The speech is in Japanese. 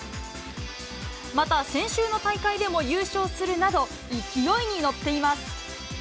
また、先週の大会でも優勝するなど、勢いに乗っています。